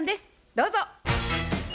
どうぞ。